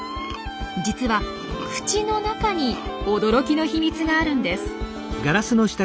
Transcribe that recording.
実は口の中に驚きの秘密があるんです。